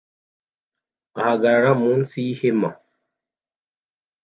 ahagarara munsi yihema